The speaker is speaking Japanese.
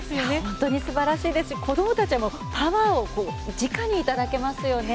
本当に素晴らしいですし子供たちもパワーを直にいただけますよね。